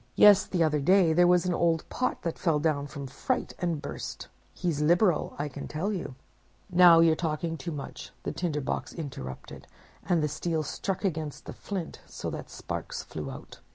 Yes, the other day there was an old pot that fell down, from fright, and burst. He's liberal, I can tell you!'—'Now you're talking too much,' the Tinder box interrupted, and the steel struck against the flint, so that sparks flew out.